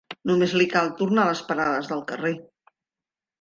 Només li cal tornar a les parades del carrer.